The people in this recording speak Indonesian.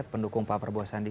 pendukung pak prabowo sandi